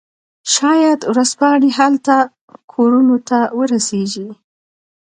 شاید ورځپاڼې هلته کورونو ته ورسیږي